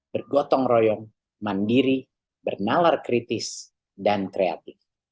bergotong royong mandiri bernalar kritis dan kreatif